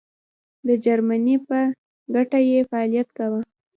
د جرمني په ګټه یې فعالیت کاوه.